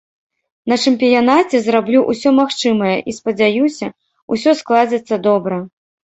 На чэмпіянаце зраблю ўсё магчымае і спадзяюся, усё складзецца добра.